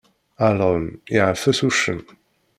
Alɣem yeɛfes uccen.